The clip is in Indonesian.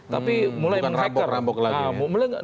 tapi mulai hacker